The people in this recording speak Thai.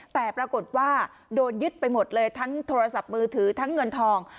แต่ปรากฏว่าโดนยึดไปหมดเลยทั้งโทรศัพท์มือถือทั้งเงินทอง